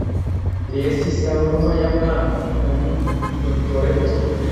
Li estis la unua japano kun Doktoreco.